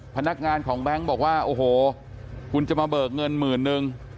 พนักงานของแบงค์บอกว่าโอ้โหคุณจะมาเบิกเงินหมื่นนึง